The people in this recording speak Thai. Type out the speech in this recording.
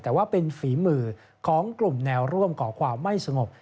แต่ว่าเป็นฝีมือของกลุ่มแนวร่วมก่อความไม่สงบ